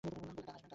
বললেন কাল আসবেন।